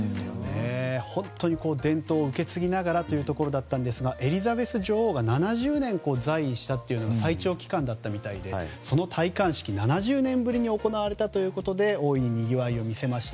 本当に伝統を受け継ぎながらというところだったんですがエリザベス女王が７０年在位したというのが最長期間だったみたいでその戴冠式が７０年ぶりに行われたということで大いににぎわいを見せました。